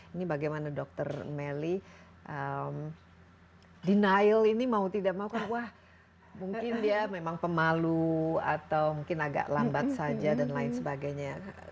ini bagaimana dokter melly denial ini mau tidak mau wah mungkin dia memang pemalu atau mungkin agak lambat saja dan lain sebagainya